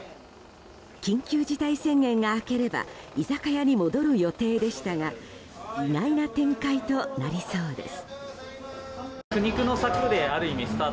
緊急事態宣言が明ければ居酒屋に戻る予定でしたが意外な展開となりそうです。